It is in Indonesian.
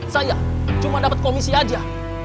saya cuma dapat komisi aja